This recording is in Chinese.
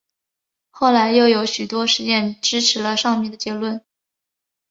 后来又有许多实验支持了上面的结论。